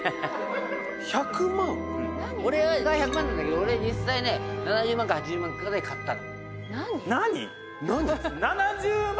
「俺は１００万なんだけど俺実際ね７０万か８０万かで買ったの」